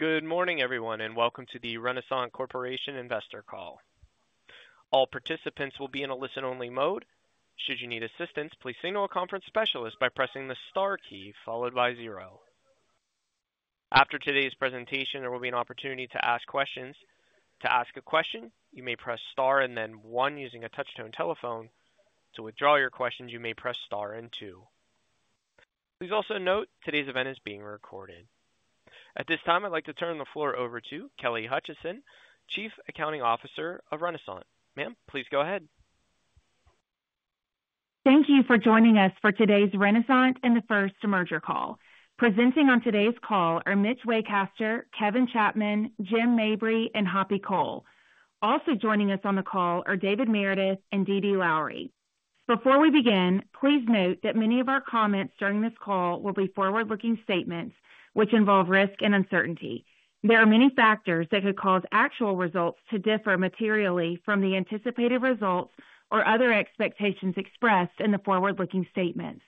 Good morning, everyone, and welcome to the Renasant Corporation Investor Call. All participants will be in a listen-only mode. Should you need assistance, please signal a conference specialist by pressing the star key followed by zero. After today's presentation, there will be an opportunity to ask questions. To ask a question, you may press star and then one using a touch-tone telephone. To withdraw your questions, you may press star and two. Please also note today's event is being recorded. At this time, I'd like to turn the floor over to Kelly Hutcheson, Chief Accounting Officer of Renasant. Ma'am, please go ahead. Thank you for joining us for today's Renasant and The First Merger Call. Presenting on today's call are Mitch Waycaster, Kevin Chapman, Jim Mabry, and Hoppy Cole. Also joining us on the call are David Meredith and Dee Dee Lowery. Before we begin, please note that many of our comments during this call will be forward-looking statements, which involve risk and uncertainty. There are many factors that could cause actual results to differ materially from the anticipated results or other expectations expressed in the forward-looking statements.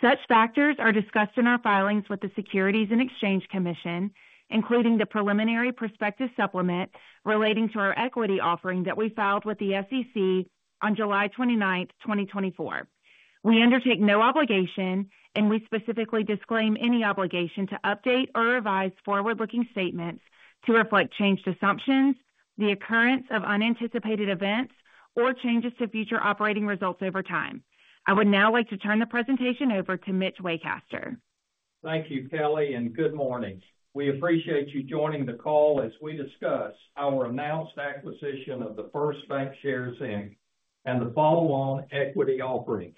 Such factors are discussed in our filings with the Securities and Exchange Commission, including the preliminary prospectus supplement relating to our equity offering that we filed with the SEC on July 29, 2024. We undertake no obligation, and we specifically disclaim any obligation to update or revise forward-looking statements to reflect changed assumptions, the occurrence of unanticipated events, or changes to future operating results over time. I would now like to turn the presentation over to Mitch Waycaster. Thank you, Kelly, and good morning. We appreciate you joining the call as we discuss our announced acquisition of The First Bancshares, Inc. and the follow-on equity offering.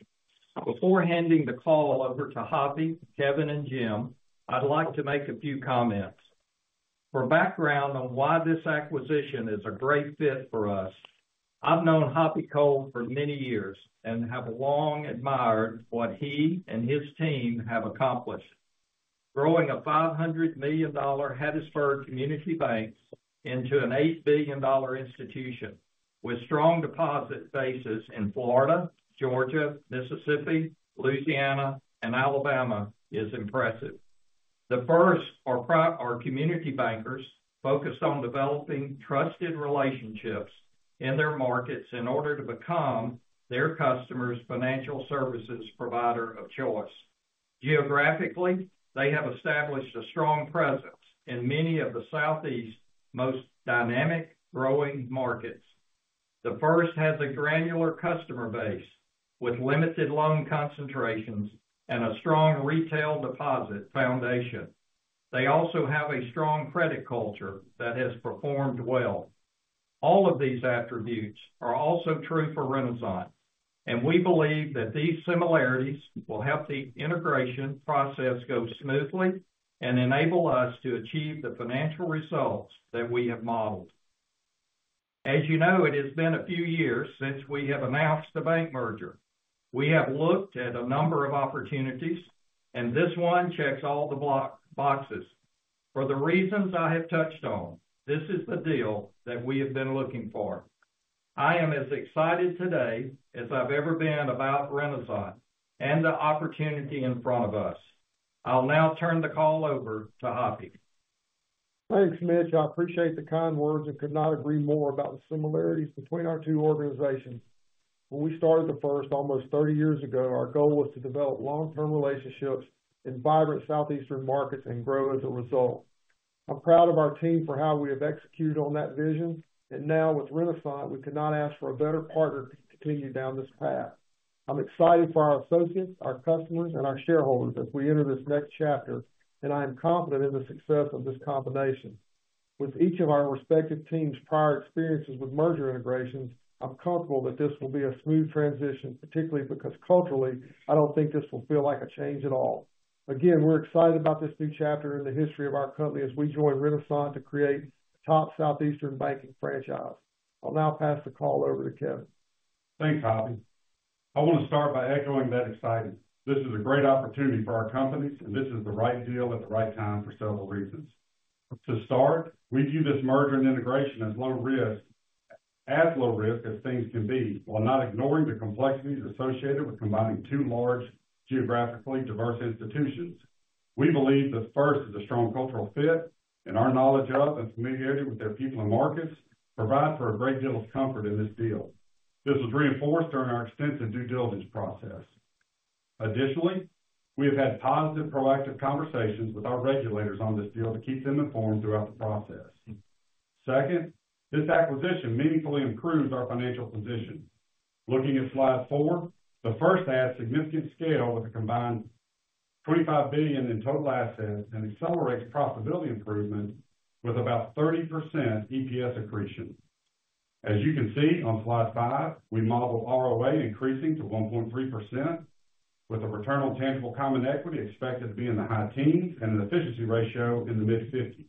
Before handing the call over to Hoppy, Kevin, and Jim, I'd like to make a few comments. For background on why this acquisition is a great fit for us, I've known Hoppy Cole for many years and have long admired what he and his team have accomplished. Growing a $500 million Hattiesburg Community Bank into an $8 billion institution with strong deposit bases in Florida, Georgia, Mississippi, Louisiana, and Alabama is impressive. The First are community bankers, focused on developing trusted relationships in their markets in order to become their customer's financial services provider of choice. Geographically, they have established a strong presence in many of the Southeast's most dynamic growing markets. The First has a granular customer base with limited loan concentrations and a strong retail deposit foundation. They also have a strong credit culture that has performed well. All of these attributes are also true for Renasant, and we believe that these similarities will help the integration process go smoothly and enable us to achieve the financial results that we have modeled. As you know, it has been a few years since we have announced the bank merger. We have looked at a number of opportunities, and this one checks all the boxes. For the reasons I have touched on, this is the deal that we have been looking for. I am as excited today as I've ever been about Renasant and the opportunity in front of us. I'll now turn the call over to Hoppy. Thanks, Mitch. I appreciate the kind words and could not agree more about the similarities between our two organizations. When we started The First almost 30 years ago, our goal was to develop long-term relationships in vibrant Southeastern markets and grow as a result. I'm proud of our team for how we have executed on that vision, and now with Renasant, we could not ask for a better partner to continue down this path. I'm excited for our associates, our customers, and our shareholders as we enter this next chapter, and I am confident in the success of this combination. With each of our respective teams' prior experiences with merger integrations, I'm comfortable that this will be a smooth transition, particularly because culturally, I don't think this will feel like a change at all. Again, we're excited about this new chapter in the history of our company as we join Renasant to create a top Southeastern banking franchise. I'll now pass the call over to Kevin. Thanks, Hoppy. I want to start by echoing that excitement. This is a great opportunity for our companies, and this is the right deal at the right time for several reasons. To start, we view this merger and integration as low risk, as low risk as things can be, while not ignoring the complexities associated with combining two large geographically diverse institutions. We believe The First is a strong cultural fit, and our knowledge of and familiarity with their people and markets provide for a great deal of comfort in this deal. This was reinforced during our extensive due diligence process. Additionally, we have had positive, proactive conversations with our regulators on this deal to keep them informed throughout the process. Second, this acquisition meaningfully improves our financial position. Looking at slide 4, The First adds significant scale with a combined $25 billion in total assets and accelerates profitability improvement with about 30% EPS accretion. As you can see on slide 5, we model ROA increasing to 1.3%, with a return on tangible common equity expected to be in the high teens and an efficiency ratio in the mid-50s.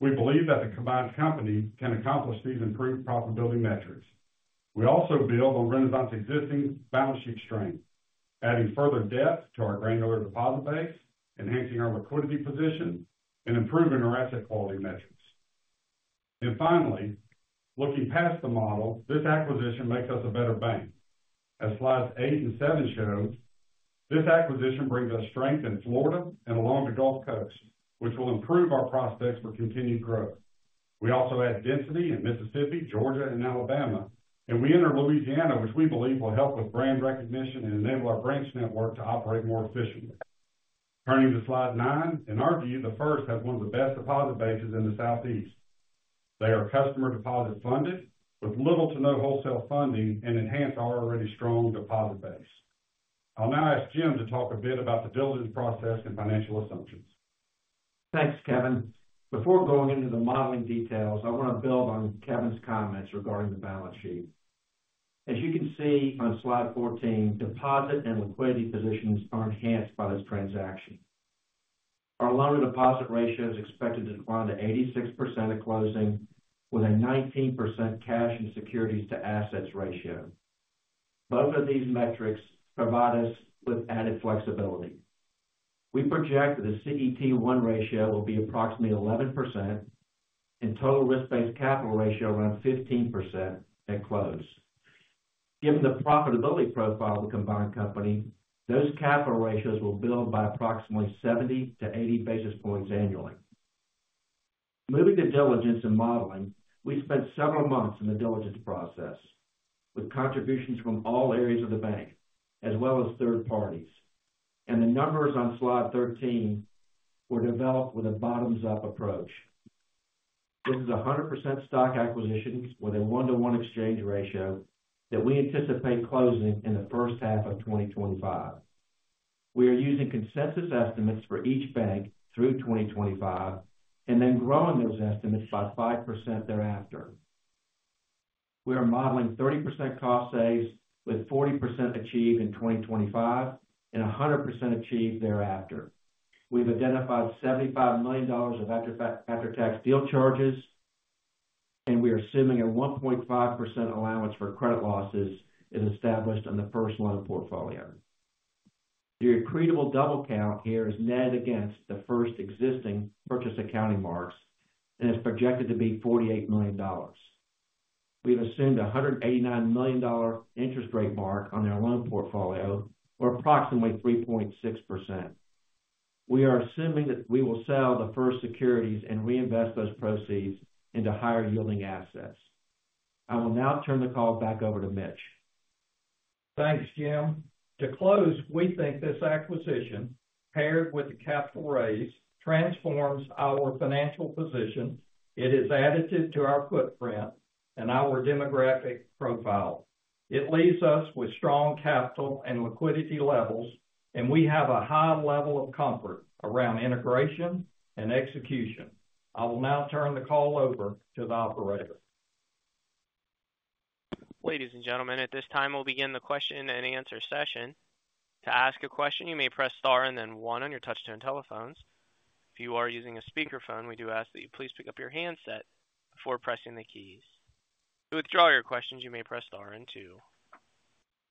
We believe that the combined company can accomplish these improved profitability metrics. We also build on Renasant's existing balance sheet strength, adding further depth to our granular deposit base, enhancing our liquidity position, and improving our asset quality metrics. And finally, looking past the model, this acquisition makes us a better bank. As slides 8 and 7 show, this acquisition brings us strength in Florida and along the Gulf Coast, which will improve our prospects for continued growth. We also add density in Mississippi, Georgia, and Alabama, and we enter Louisiana, which we believe will help with brand recognition and enable our branch network to operate more efficiently. Turning to slide 9, in our view, The First has one of the best deposit bases in the Southeast. They are customer deposit funded with little to no wholesale funding and enhance our already strong deposit base. I'll now ask Jim to talk a bit about the diligence process and financial assumptions. Thanks, Kevin. Before going into the modeling details, I want to build on Kevin's comments regarding the balance sheet. As you can see on slide 14, deposit and liquidity positions are enhanced by this transaction. Our loan-to-deposit ratio is expected to decline to 86% at closing, with a 19% cash and securities-to-assets ratio. Both of these metrics provide us with added flexibility. We project that the CET1 ratio will be approximately 11% and total risk-based capital ratio around 15% at close. Given the profitability profile of the combined company, those capital ratios will build by approximately 70 to 80 basis points annually. Moving to diligence and modeling, we spent several months in the diligence process with contributions from all areas of the bank, as well as third parties. The numbers on slide 13 were developed with a bottoms-up approach. This is 100% stock acquisition with a 1-to-1 exchange ratio that we anticipate closing in The First half of 2025. We are using consensus estimates for each bank through 2025 and then growing those estimates by 5% thereafter. We are modeling 30% cost saves with 40% achieved in 2025 and 100% achieved thereafter. We've identified $75 million of after-tax deal charges, and we are assuming a 1.5% allowance for credit losses is established on The First loan portfolio. The credit double count here is netted against The First existing purchase accounting marks and is projected to be $48 million. We have assumed a $189 million interest rate mark on their loan portfolio, or approximately 3.6%. We are assuming that we will sell The First securities and reinvest those proceeds into higher-yielding assets. I will now turn the call back over to Mitch. Thanks, Jim. To close, we think this acquisition, paired with the capital raise, transforms our financial position. It is additive to our footprint and our demographic profile. It leaves us with strong capital and liquidity levels, and we have a high level of comfort around integration and execution. I will now turn the call over to the operator. Ladies and gentlemen, at this time, we'll begin the question-and-answer session. To ask a question, you may press star and then one on your touch-tone telephones. If you are using a speakerphone, we do ask that you please pick up your handset before pressing the keys. To withdraw your questions, you may press star and two.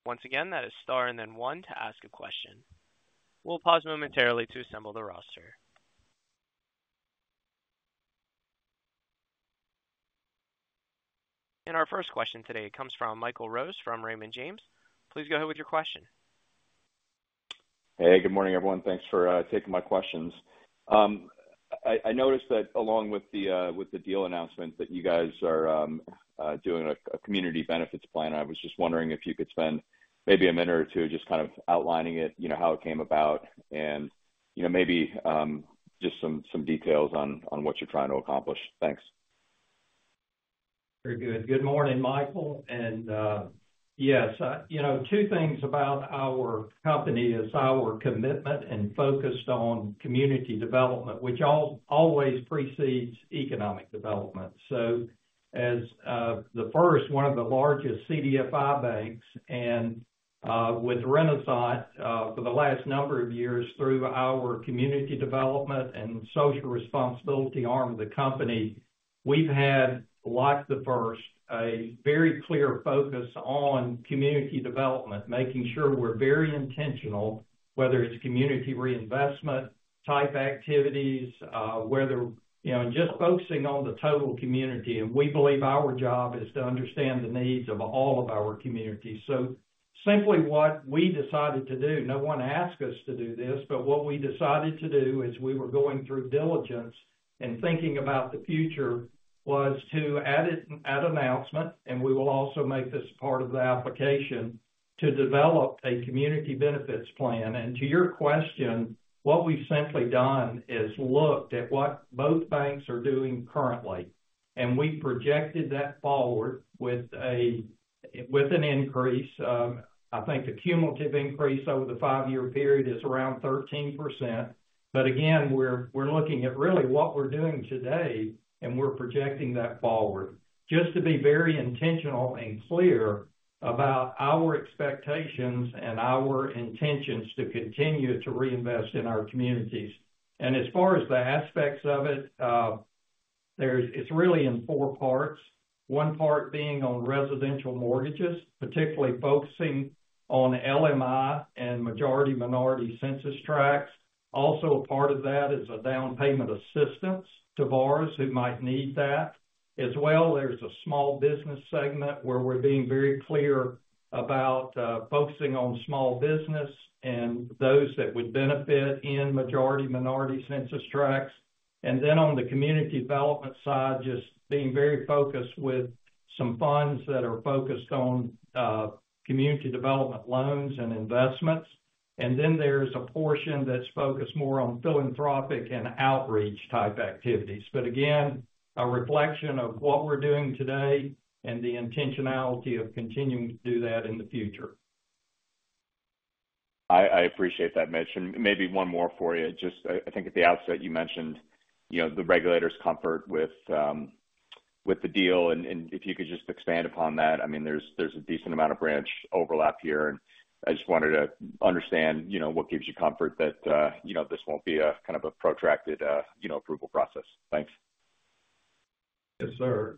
Once again, that is star and then one to ask a question. We'll pause momentarily to assemble the roster. And our first question today comes from Michael Rose from Raymond James. Please go ahead with your question. Hey, good morning, everyone. Thanks for taking my questions. I noticed that along with the deal announcement that you guys are doing a Community Benefits Plan, I was just wondering if you could spend maybe a minute or two just kind of outlining it, how it came about, and maybe just some details on what you're trying to accomplish. Thanks. Very good. Good morning, Michael. And yes, two things about our company is our commitment and focus on community development, which always precedes economic development. So as The First, one of the largest CDFI banks, and with Renasant for the last number of years through our community development and social responsibility arm of the company, we've had, like The First, a very clear focus on community development, making sure we're very intentional, whether it's community reinvestment-type activities, whether just focusing on the total community. And we believe our job is to understand the needs of all of our communities. So simply what we decided to do, no one asked us to do this, but what we decided to do as we were going through diligence and thinking about the future was to add an announcement, and we will also make this part of the application to develop a Community Benefits Plan. To your question, what we've simply done is looked at what both banks are doing currently, and we projected that forward with an increase. I think the cumulative increase over the five-year period is around 13%. But again, we're looking at really what we're doing today, and we're projecting that forward. Just to be very intentional and clear about our expectations and our intentions to continue to reinvest in our communities. And as far as the aspects of it, it's really in four parts. One part being on residential mortgages, particularly focusing on LMI and majority-minority census tracts. Also, part of that is a down payment assistance to buyers who might need that. As well, there's a small business segment where we're being very clear about focusing on small business and those that would benefit in majority-minority census tracts. And then on the community development side, just being very focused with some funds that are focused on community development loans and investments. And then there's a portion that's focused more on philanthropic and outreach-type activities. But again, a reflection of what we're doing today and the intentionality of continuing to do that in the future. I appreciate that, Mitch. And maybe one more for you. Just I think at the outset, you mentioned the regulator's comfort with the deal. And if you could just expand upon that, I mean, there's a decent amount of branch overlap here. And I just wanted to understand what gives you comfort that this won't be a kind of a protracted approval process. Thanks. Yes, sir.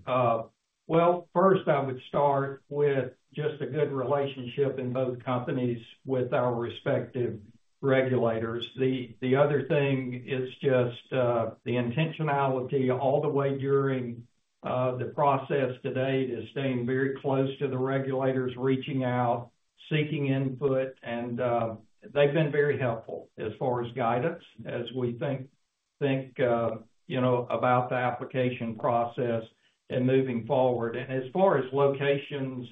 Well, first, I would start with just a good relationship in both companies with our respective regulators. The other thing is just the intentionality all the way during the process today to staying very close to the regulators, reaching out, seeking input. They've been very helpful as far as guidance, as we think about the application process and moving forward. As far as locations,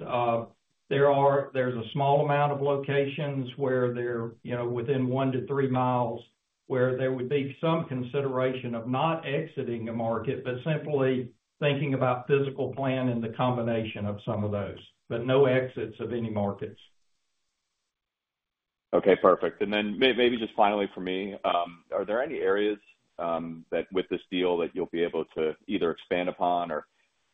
there's a small amount of locations where they're within 1-3 miles where there would be some consideration of not exiting a market, but simply thinking about physical plant and the combination of some of those, but no exits of any markets. Okay. Perfect. And then maybe just finally for me, are there any areas with this deal that you'll be able to either expand upon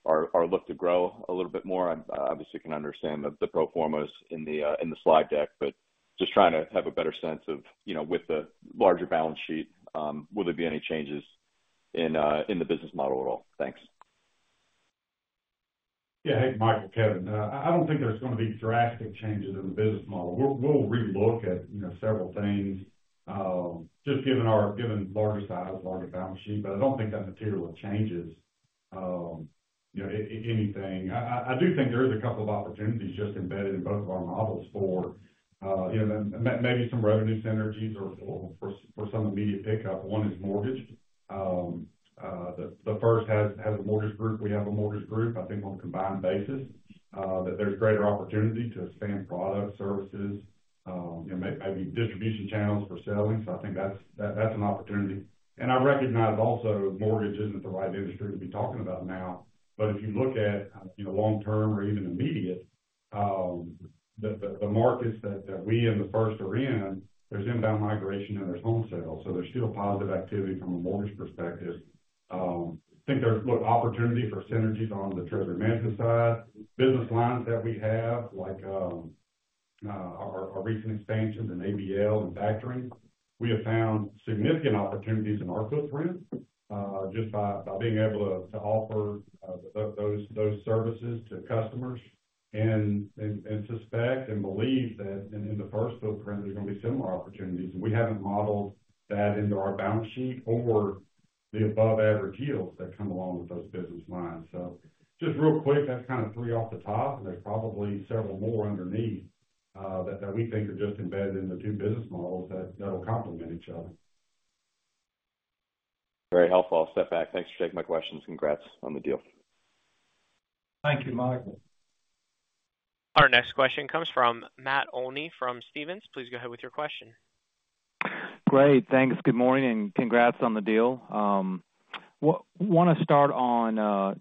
or look to grow a little bit more? I obviously can understand the pro formas in the slide deck, but just trying to have a better sense of with the larger balance sheet, will there be any changes in the business model at all? Thanks. Yeah. Hey, Michael, Kevin. I don't think there's going to be drastic changes in the business model. We'll relook at several things, just given larger size, larger balance sheet, but I don't think that material changes anything. I do think there is a couple of opportunities just embedded in both of our models for maybe some revenue synergies or for some immediate pickup. One is mortgage. The First has a mortgage group. We have a mortgage group, I think, on a combined basis, that there's greater opportunity to expand products, services, maybe distribution channels for selling. So I think that's an opportunity. And I recognize also mortgage isn't the right industry to be talking about now, but if you look at long-term or even immediate, the markets that we and The First are in, there's inbound migration and there's home sales. So there's still positive activity from a mortgage perspective. I think there's opportunity for synergies on the treasury management side. Business lines that we have, like our recent expansions in ABL and factoring, we have found significant opportunities in our footprint just by being able to offer those services to customers. I suspect and believe that in The First footprint, there's going to be similar opportunities. We haven't modeled that into our balance sheet or the above-average yields that come along with those business lines. Just real quick, that's kind of three off the top, and there's probably several more underneath that we think are just embedded in the two business models that will complement each other. Very helpful. I'll step back. Thanks for taking my questions. Congrats on the deal. Thank you, Michael. Our next question comes from Matt Olney from Stephens. Please go ahead with your question. Great. Thanks. Good morning and congrats on the deal. Want to start on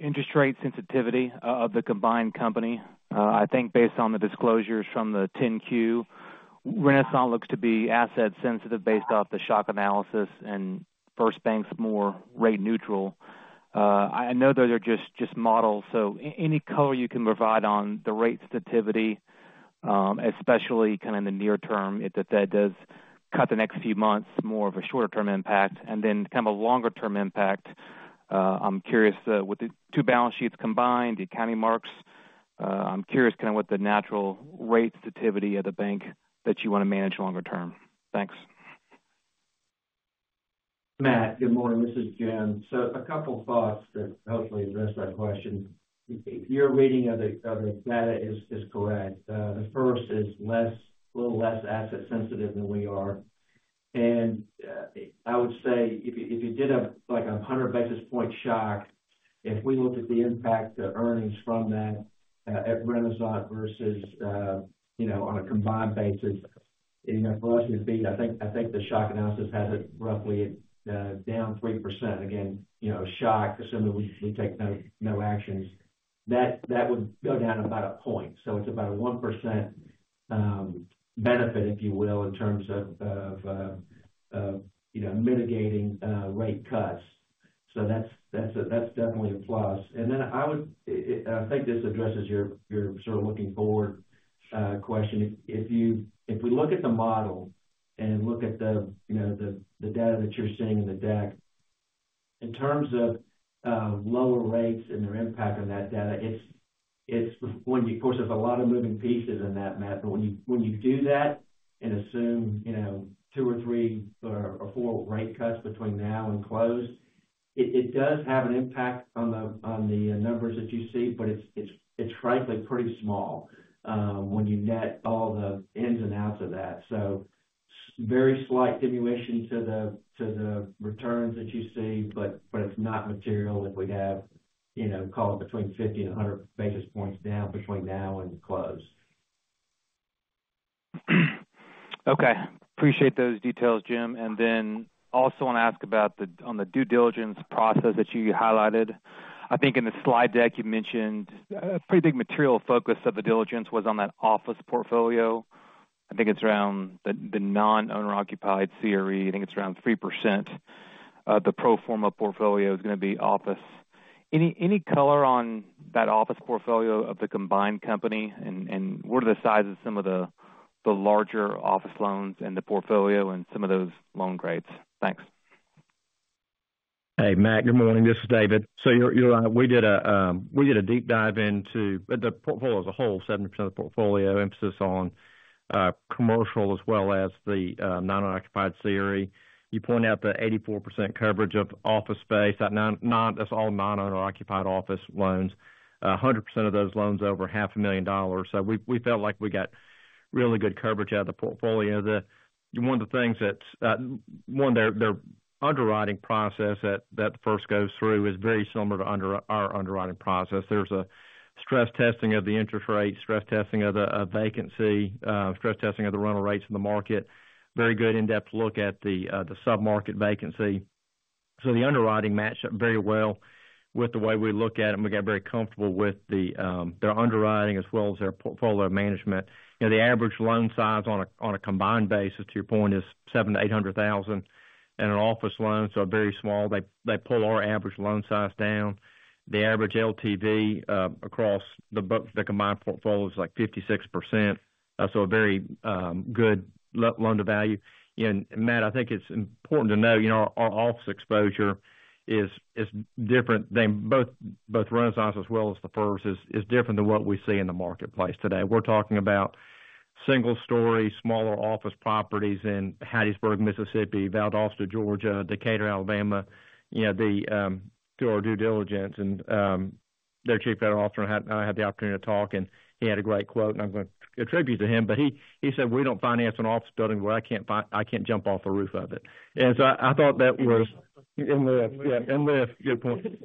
interest rate sensitivity of the combined company. I think based on the disclosures from the 10-Q, Renasant looks to be asset-sensitive based off the shock analysis and First Bank's more rate-neutral. I know they're just models, so any color you can provide on the rate sensitivity, especially kind of in the near term, if that does cut the next few months, more of a shorter-term impact, and then kind of a longer-term impact. I'm curious, with the two balance sheets combined, the accounting marks, I'm curious kind of what the natural rate sensitivity of the bank that you want to manage longer term. Thanks. Matt, good morning. This is Jim. So a couple of thoughts that hopefully address that question. Your reading of the data is correct. The First is a little less asset-sensitive than we are. And I would say if you did a 100 basis point shock, if we looked at the impact of earnings from that at Renasant versus on a combined basis, for us to beat, I think the shock analysis has it roughly down 3%. Again, shock, assuming we take no actions, that would go down about a point. So it's about a 1% benefit, if you will, in terms of mitigating rate cuts. So that's definitely a plus. And then I think this addresses your sort of looking-forward question. If we look at the model and look at the data that you're seeing in the deck, in terms of lower rates and their impact on that data, of course, there's a lot of moving pieces in that math. But when you do that and assume 2 or 3 or 4 rate cuts between now and close, it does have an impact on the numbers that you see, but it's frankly pretty small when you net all the ins and outs of that. So very slight diminution to the returns that you see, but it's not material if we have called between 50 and 100 basis points down between now and close. Okay. Appreciate those details, Jim. And then also want to ask about on the due diligence process that you highlighted. I think in the slide deck, you mentioned a pretty big material focus of the diligence was on that office portfolio. I think it's around the non-owner-occupied CRE. I think it's around 3%. The pro forma portfolio is going to be office. Any color on that office portfolio of the combined company? And what are the sizes of some of the larger office loans and the portfolio and some of those loan grades? Thanks. Hey, Matt. Good morning. This is David. So we did a deep dive into the portfolio as a whole, 70% of the portfolio, emphasis on commercial as well as the non-owner-occupied CRE. You point out the 84% coverage of office space. That's all non-owner-occupied office loans. 100% of those loans over $500,000. So we felt like we got really good coverage out of the portfolio. One of the things that's one of their underwriting process that The First goes through is very similar to our underwriting process. There's a stress testing of the interest rate, stress testing of the vacancy, stress testing of the rental rates in the market, very good in-depth look at the sub-market vacancy. So the underwriting matched up very well with the way we look at it, and we got very comfortable with their underwriting as well as their portfolio management. The average loan size on a combined basis, to your point, is $700,000-$800,000 in an office loan, so very small. They pull our average loan size down. The average LTV across the combined portfolio is like 56%. That's a very good loan-to-value. And Matt, I think it's important to know our office exposure is different. Both Renasant as well as The First is different than what we see in the marketplace today. We're talking about single-story, smaller office properties in Hattiesburg, Mississippi, Valdosta, Georgia, Decatur, Alabama. Through our due diligence, their Chief Credit Officer and I had the opportunity to talk, and he had a great quote. And I'm going to attribute to him, but he said, "We don't finance an office building where I can't jump off the roof of it." And so I thought that was uplifting. Yeah. Good point.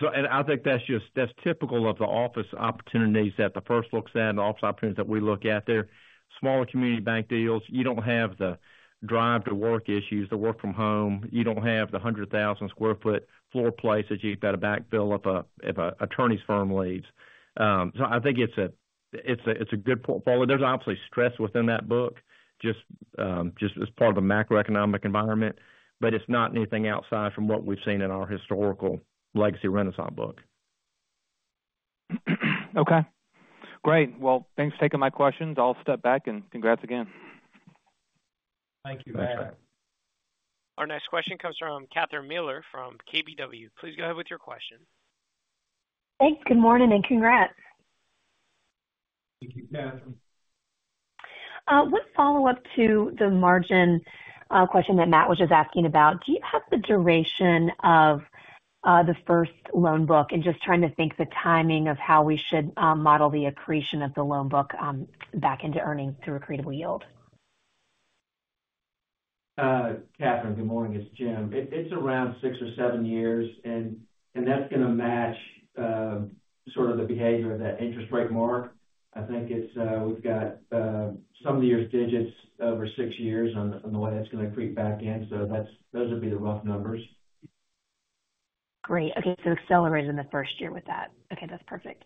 I think that's typical of the office opportunities that The First looks at, the office opportunities that we look at there. Smaller community bank deals, you don't have the drive-to-work issues, the work-from-home. You don't have the 100,000-sq-ft floor plate that you've got to backfill if an attorney's firm leaves. So I think it's a good portfolio. There's obviously stress within that book just as part of the macroeconomic environment, but it's not anything outside from what we've seen in our historical legacy Renasant book. Okay. Great. Well, thanks for taking my questions. I'll step back and congrats again. Thank you, Matt. Thanks, Matt. Our next question comes from Catherine Mealor from KBW. Please go ahead with your question. Thanks. Good morning and congrats. Thank you, Catherine. What follow-up to the margin question that Matt was just asking about, do you have the duration of The First loan book and just trying to think the timing of how we should model the accretion of the loan book back into earnings through accretable yield? Catherine, good morning. It's Jim. It's around 6 or 7 years, and that's going to match sort of the behavior of that interest rate mark. I think we've got some of the year's digits over 6 years on the way that's going to creep back in. So those would be the rough numbers. Great. Okay. So accelerated in The First year with that. Okay. That's perfect.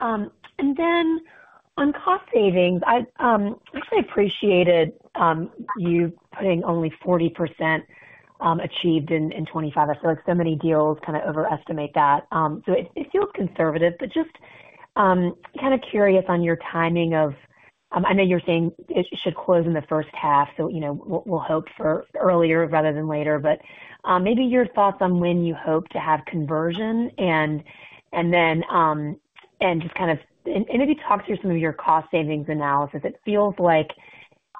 And then on cost savings, I actually appreciated you putting only 40% achieved in 2025. I feel like so many deals kind of overestimate that. So it feels conservative, but just kind of curious on your timing. I know you're saying it should close in The First half, so we'll hope for earlier rather than later, but maybe your thoughts on when you hope to have conversion and then just kind of maybe talk through some of your cost savings analysis. It feels like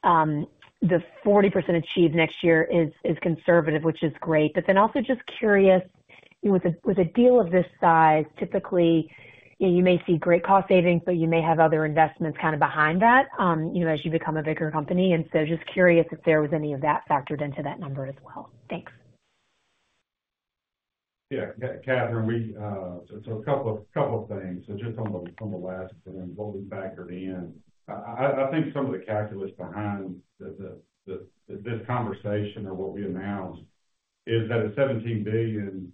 the 40% achieved next year is conservative, which is great. But then also just curious, with a deal of this size, typically you may see great cost savings, but you may have other investments kind of behind that as you become a bigger company. Just curious if there was any of that factored into that number as well. Thanks. Yeah. Catherine, so a couple of things. So just on the last, and then we'll be factored in. I think some of the calculus behind this conversation or what we announced is that at $17 billion,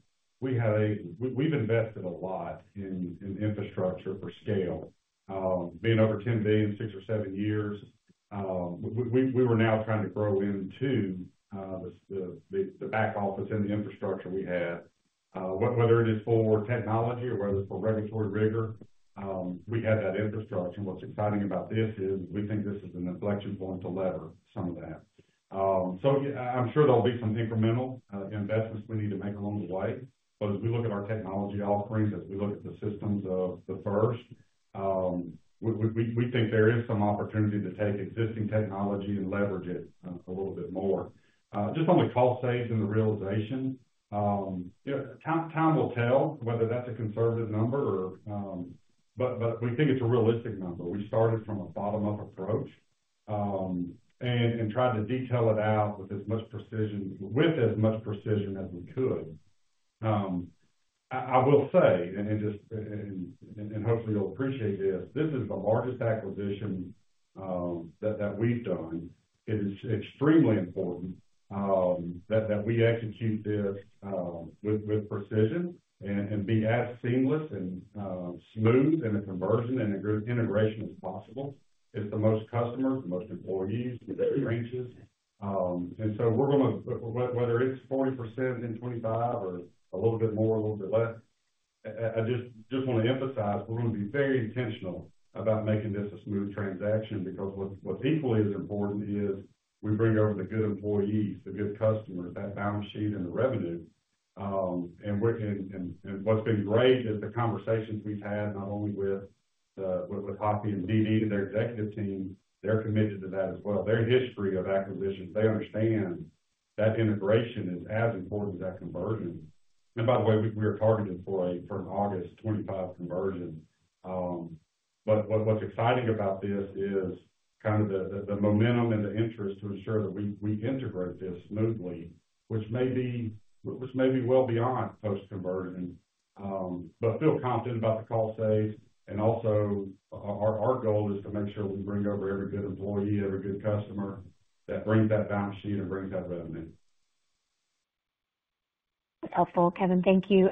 we've invested a lot in infrastructure for scale. Being over $10 billion, 6 or 7 years, we were now trying to grow into the back office and the infrastructure we had. Whether it is for technology or whether it's for regulatory rigor, we had that infrastructure. And what's exciting about this is we think this is an inflection point to lever some of that. So I'm sure there'll be some incremental investments we need to make along the way. But as we look at our technology offerings, as we look at the systems of The First, we think there is some opportunity to take existing technology and leverage it a little bit more. Just on the cost savings and the realization, time will tell whether that's a conservative number, but we think it's a realistic number. We started from a bottom-up approach and tried to detail it out with as much precision as we could. I will say, and hopefully you'll appreciate this, this is the largest acquisition that we've done. It is extremely important that we execute this with precision and be as seamless and smooth and a conversion and integration as possible. It's the most customers, the most employees, the big branches. And so we're going to, whether it's 40% in 2025 or a little bit more, a little bit less, I just want to emphasize we're going to be very intentional about making this a smooth transaction because what's equally as important is we bring over the good employees, the good customers, that balance sheet and the revenue. What's been great is the conversations we've had not only with Hoppy and Dee Dee and their executive team, they're committed to that as well. Their history of acquisitions, they understand that integration is as important as that conversion. By the way, we are targeted for an August 2025 conversion. What's exciting about this is kind of the momentum and the interest to ensure that we integrate this smoothly, which may be well beyond post-conversion, but feel confident about the cost savings. Also our goal is to make sure we bring over every good employee, every good customer that brings that balance sheet and brings that revenue. Helpful, Kevin. Thank you.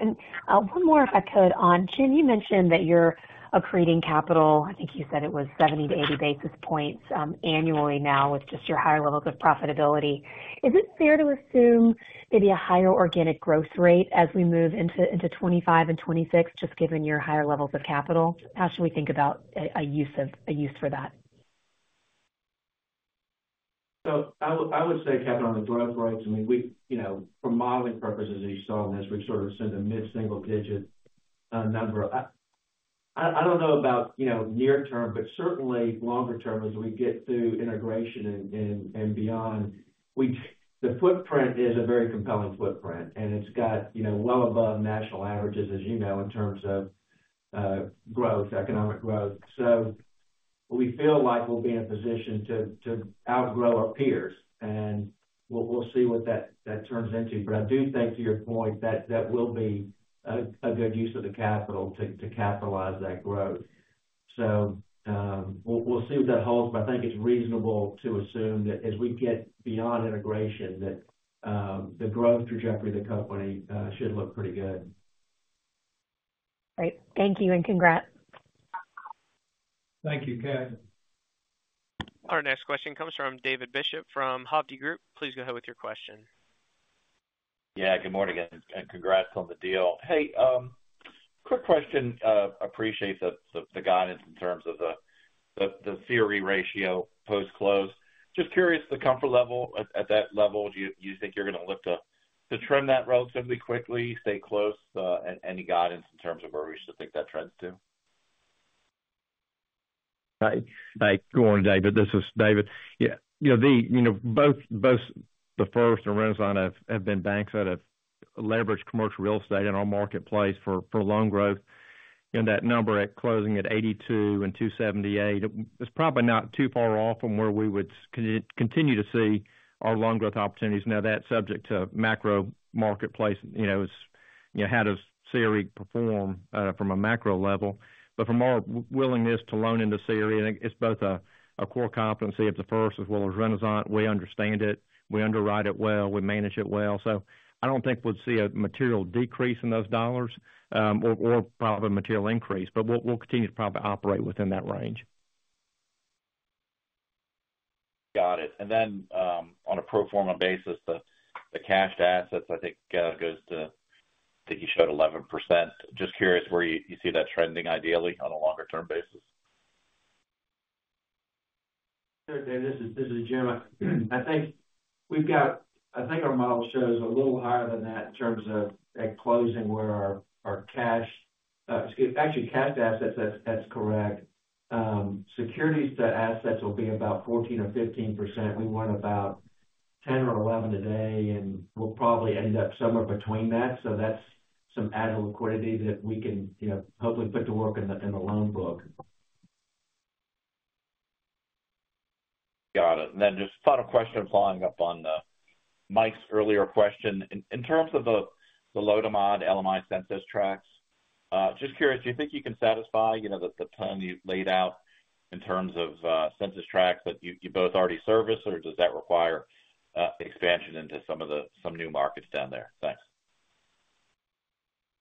One more if I could. Jim, you mentioned that you're accreting capital. I think you said it was 70-80 basis points annually now with just your higher levels of profitability. Is it fair to assume maybe a higher organic growth rate as we move into 2025 and 2026, just given your higher levels of capital? How should we think about a use for that? So I would say, Kevin, on the growth rates, I mean, for modeling purposes, as you saw in this, we sort of send a mid-single-digit number. I don't know about near term, but certainly longer term as we get through integration and beyond, the footprint is a very compelling footprint. And it's got well above national averages, as you know, in terms of growth, economic growth. So we feel like we'll be in a position to outgrow our peers, and we'll see what that turns into. But I do think, to your point, that will be a good use of the capital to capitalize that growth. So we'll see what that holds, but I think it's reasonable to assume that as we get beyond integration, that the growth trajectory of the company should look pretty good. Great. Thank you and congrats. Thank you, Kevin. Our next question comes from David Bishop from Hovde Group. Please go ahead with your question. Yeah. Good morning, and congrats on the deal. Hey, quick question. Appreciate the guidance in terms of the CRE ratio post-close. Just curious, the comfort level at that level, do you think you're going to lift to trim that relatively quickly, stay close, and any guidance in terms of where we should take that trend to? Hey. Thanks. Good morning, David. This is David. Both The First and Renasant have been banks that have leveraged commercial real estate in our marketplace for loan growth. And that number at closing at 82 and 278 is probably not too far off from where we would continue to see our loan growth opportunities. Now, that's subject to macro marketplace, how does CRE perform from a macro level. But from our willingness to loan into CRE, it's both a core competency of The First as well as Renasant. We understand it. We underwrite it well. We manage it well. So I don't think we'd see a material decrease in those dollars or probably a material increase, but we'll continue to probably operate within that range. Got it. And then on a pro forma basis, the cash to assets, I think goes to, I think you showed 11%. Just curious where you see that trending ideally on a longer-term basis. Sure, David. This is Jim. I think our model shows a little higher than that in terms of at closing where our cash, excuse me, actually, cash to assets, that's correct. Securities to assets will be about 14% or 15%. We went about 10 or 11 a day, and we'll probably end up somewhere between that. So that's some added liquidity that we can hopefully put to work in the loan book. Got it. And then just final question following up on Mike's earlier question. In terms of the low-to-moderate LMI census tracts, just curious, do you think you can satisfy the one you've laid out in terms of census tracts that you both already service, or does that require expansion into some new markets down there? Thanks.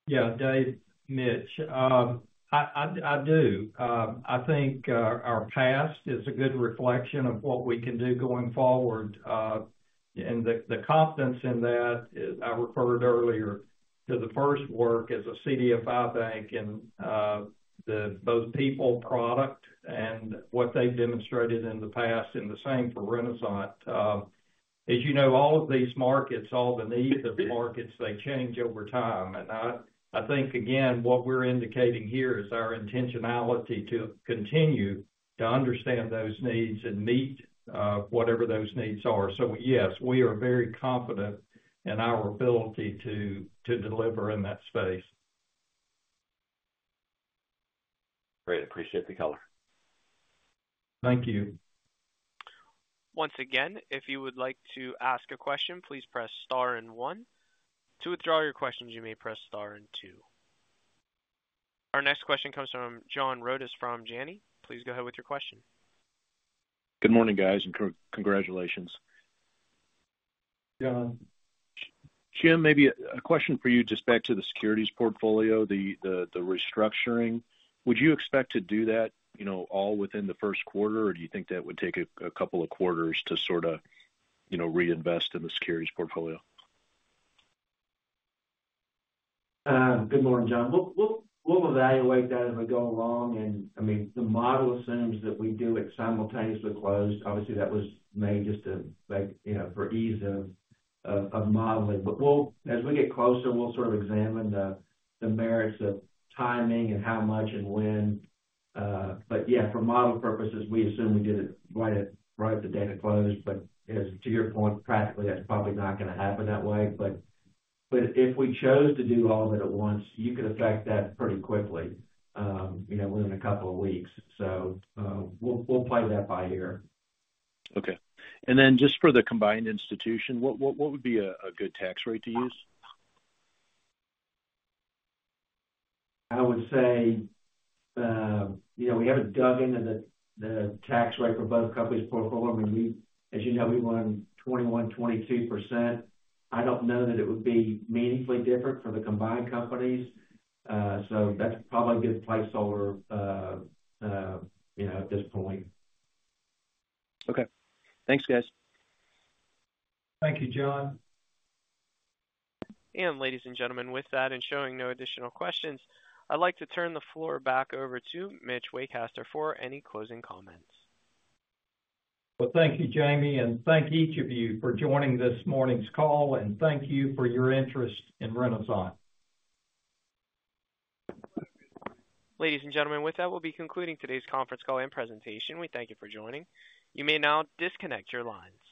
Yeah, Dave, Mitch. I do. I think our past is a good reflection of what we can do going forward. And the confidence in that, I referred earlier to The First work as a CDFI bank and both people, product, and what they've demonstrated in the past, and the same for Renasant. As you know, all of these markets, all the needs of the markets, they change over time. And I think, again, what we're indicating here is our intentionality to continue to understand those needs and meet whatever those needs are. So yes, we are very confident in our ability to deliver in that space. Great. Appreciate the color. Thank you. Once again, if you would like to ask a question, please press star and one. To withdraw your questions, you may press star and two. Our next question comes from John Rodis from Janney Montgomery Scott. Please go ahead with your question. Good morning, guys, and congratulations. John. Jim, maybe a question for you just back to the securities portfolio, the restructuring. Would you expect to do that all within The First quarter, or do you think that would take a couple of quarters to sort of reinvest in the securities portfolio? Good morning, John. We'll evaluate that as we go along. I mean, the model assumes that we do it simultaneously closed. Obviously, that was made just for ease of modeling. As we get closer, we'll sort of examine the merits of timing and how much and when. Yeah, for model purposes, we assume we did it right at the day of close. To your point, practically, that's probably not going to happen that way. If we chose to do all of it at once, you could affect that pretty quickly within a couple of weeks. We'll play that by ear. Okay. And then just for the combined institution, what would be a good tax rate to use? I would say we haven't dug into the tax rate for both companies' portfolio. I mean, as you know, we were on 21%-22%. I don't know that it would be meaningfully different for the combined companies. So that's probably a good placeholder at this point. Okay. Thanks, guys. Thank you, John. Ladies and gentlemen, with that and showing no additional questions, I'd like to turn the floor back over to Mitch Waycaster for any closing comments. Well, thank you, Jamie, and thank each of you for joining this morning's call. Thank you for your interest in Renasant. Ladies and gentlemen, with that, we'll be concluding today's conference call and presentation. We thank you for joining. You may now disconnect your lines.